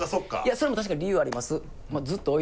それも確かに理由あります